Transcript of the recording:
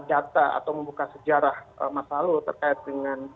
data atau membuka sejarah mas halu terkait dengan